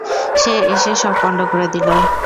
সে এসে সব পন্ড করে দিলো।